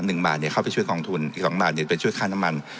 หนึ่งบาทเนี้ยเข้าไปช่วยกองทุนอีกสองบาทเนี่ยไปช่วยค่าน้ำมัน